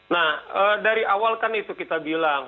nah dari awal kan itu kita bilang